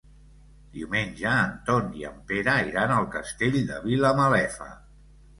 Diumenge en Ton i en Pere iran al Castell de Vilamalefa.